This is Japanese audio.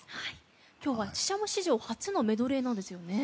今日はＳＨＩＳＨＡＭＯ史上初のメドレーなんですよね。